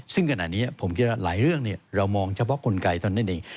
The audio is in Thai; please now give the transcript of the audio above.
ซึ่งขณะนี้ผมคิดว่าหลายเรื่องเรามองเฉพาะกลไกเท่านั้นเอง